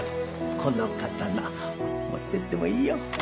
この刀持ってってもいいよ。